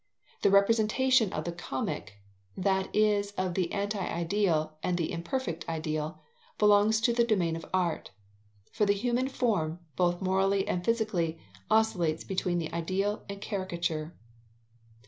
The representation of the comic, that is of the anti ideal and of the imperfect ideal, belongs to the domain of art. For the human form, both morally and physically, oscillates between the ideal and caricature.